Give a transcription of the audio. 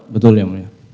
betul yang mulia